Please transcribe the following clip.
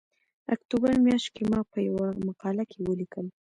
اکتوبر میاشت کې ما په یوه مقاله کې ولیکل